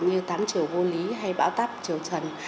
như tám triều vô lý hay bão táp triều trần